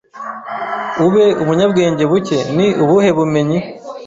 ube umunyabwenge buke Ni ubuhe bumenyi